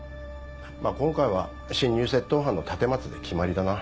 まぁ今回は侵入窃盗犯の立松で決まりだな。